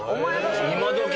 今どき？